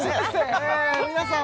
皆さん